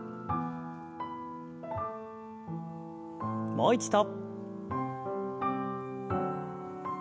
もう一度。